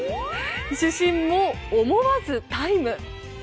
主審も思わずタイム。